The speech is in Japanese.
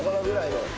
の